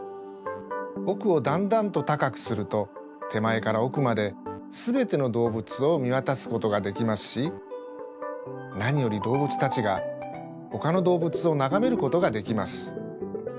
おくをだんだんとたかくするとてまえからおくまですべての動物をみわたすことができますしなにより動物たちがほかの動物をながめることができます。